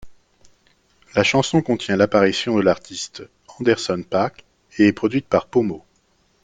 La chanson contient l'apparition de l'artiste Anderson Paak et est produite par Pomo.